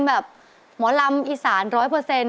แบบหมอลำอีสาน๑๐๐